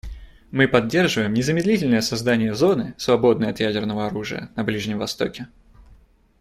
Мы поддерживаем незамедлительное создание зоны, свободной от ядерного оружия, на Ближнем Востоке.